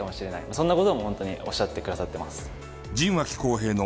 そんな事も本当におっしゃってくださってます。